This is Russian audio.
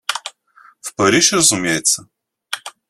В Париж, разумеется?.